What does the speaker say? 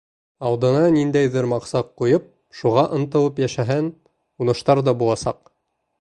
Алдыңа ниндәйҙер маҡсат ҡуйып, шуға ынтылып йәшәһәң, уңыштар ҙа буласаҡ.